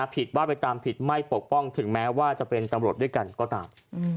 ผิดว่าไปตามผิดไม่ปกป้องถึงแม้ว่าจะเป็นตำรวจด้วยกันก็ตาม